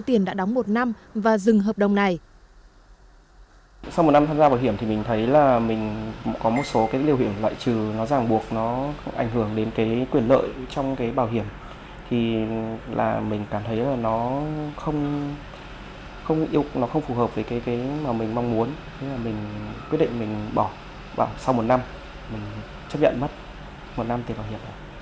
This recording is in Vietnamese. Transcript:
trong bảo hiểm thì mình cảm thấy nó không phù hợp với cái mà mình mong muốn mình quyết định mình bỏ sau một năm mình chấp nhận mất một năm tiền bảo hiểm